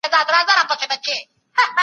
د تاریخ پوه کړنلاره توصیفي او بیانیه ده.